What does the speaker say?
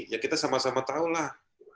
ya kita sama sama tahulah